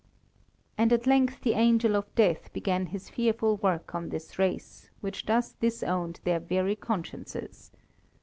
And at length the angel of death began his fearful work on this race, which thus disowned their very consciences.